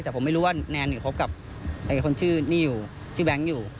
แต่ผมไม่รู้ว่าแนนคบกับคนชื่อนี่อยู่ชื่อแบงค์อยู่